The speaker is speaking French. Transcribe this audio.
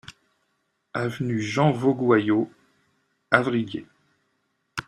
Avenue Jean Vaugoyau, Avrillé